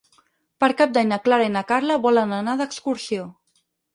Per Cap d'Any na Clara i na Carla volen anar d'excursió.